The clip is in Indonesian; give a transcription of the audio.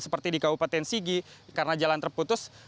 seperti di kabupaten sigi karena jalan terputus